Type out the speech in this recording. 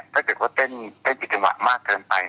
ถ้าเกิดว่าเต้นผิดจังหวะมากเกินไป